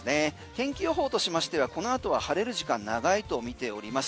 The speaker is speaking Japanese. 天気予報としましてはこの後は晴れる時間長いとみております。